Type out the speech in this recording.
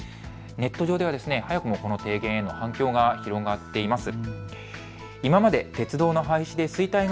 ネット上では早くもこの提言への反響が広がっています。